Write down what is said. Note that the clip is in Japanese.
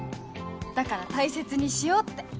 だから大切にしようって。